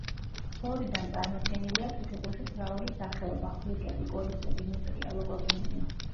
ფლორიდან წარმოდგენილია თუთიყუშის მრავალი სახეობა, ხვლიკები, კოლიბრები, ნუტრია, ლოკოკინები.